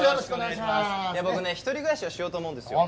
いや僕ね一人暮らしをしようと思うんですよ。